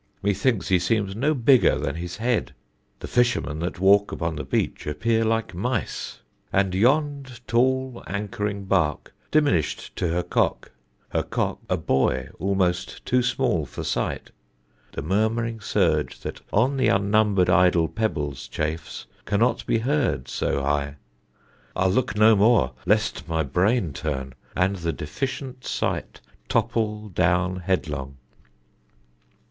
Methinks he seems no bigger than his head: The fishermen, that walk upon the beach, Appear like mice; and yond tall anchoring bark, Diminish'd to her cock; her cock, a buoy Almost too small for sight: the murmuring surge, That on the unnumber'd idle pebbles chafes, Cannot be heard so high. I'll look no more, Lest my brain turn, and the deficient sight Topple down headlong.